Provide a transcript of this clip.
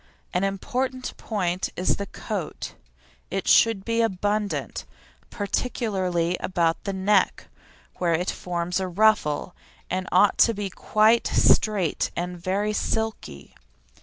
An important point is the coat. It should be abundant, particularly about the neck, where it forms a ruffle, and it ought to be quite straight and very silky.